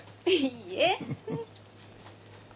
いいえ。